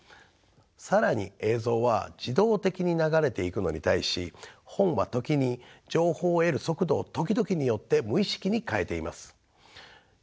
更に映像は自動的に流れていくのに対し本は時に情報を得る速度を時々によって無意識に変えています。